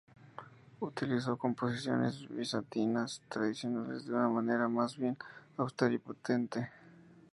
Utilizó composiciones bizantinas tradicionales, de una manera más bien austera y potente.